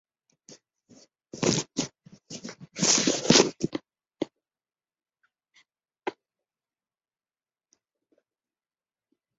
仁娣柯铠虾为铠甲虾科柯铠虾属下的一个种。